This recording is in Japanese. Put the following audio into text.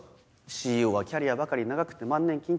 ＣＥＯはキャリアばかり長くて万年金欠。